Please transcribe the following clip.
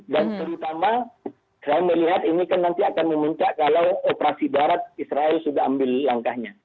dan terutama saya melihat ini kan nanti akan memuncak kalau operasi barat israel sudah ambil langkahnya